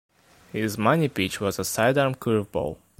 His money pitch was a side-arm curve ball.